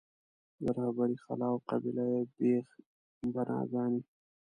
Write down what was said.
د رهبرۍ خلا او قبیله یي بېخ بناګانې.